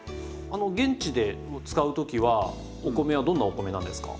現地で使う時はお米はどんなお米なんですか？